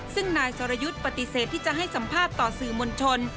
ซึ่งนายสรยุทธ์ปฏิเสธที่จะให้สัมภาษณ์ต่อสื่อมวลชน